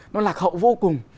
nó lạc hậu vô cùng